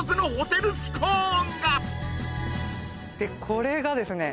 でこれがですね